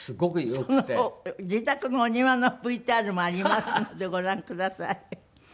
その自宅のお庭のＶＴＲもありますのでご覧ください。